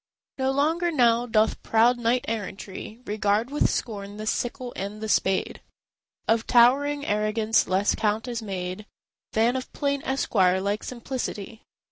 No longer now doth proud knight errantry Regard with scorn the sickle and the spade; Of towering arrogance less count is made Than of plain esquire like simplicity.